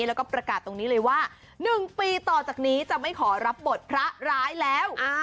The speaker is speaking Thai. แล้วก็ประกาศตรงนี้เลยว่า๑ปีต่อจากนี้จะไม่ขอรับบทพระร้ายแล้ว